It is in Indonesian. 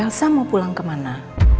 elsa mau pulang kemana